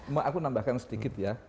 mbak aku nambahkan sedikit ya